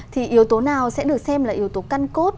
thì yếu tố nào sẽ được xem là yếu tố căn cốt